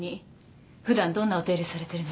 普段どんなお手入れされてるの？